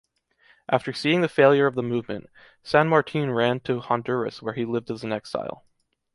After seeing the failure of the movement, San Martín ran to Honduras where he lived as an exile.